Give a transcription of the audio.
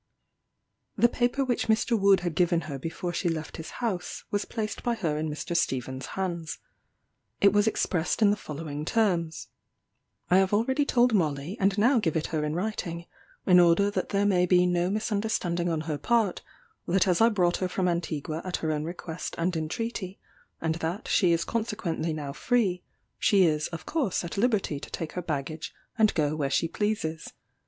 The paper which Mr. Wood had given her before she left his house, was placed by her in Mr. Stephen's hands. It was expressed in the following terms: "I have already told Molly, and now give it her in writing, in order that there may be no misunderstanding on her part, that as I brought her from Antigua at her own request and entreaty, and that she is consequently now free, she is of course at liberty to take her baggage and go where she pleases.